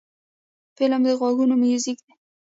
فلم د غوږونو میوزیک دی